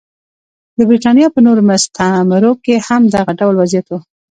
د برېټانیا په نورو مستعمرو کې هم دغه ډول وضعیت و.